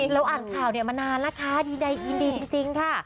เราอ่านข่าวมานานแล้วคะดีใดยินดีจริงค่ะ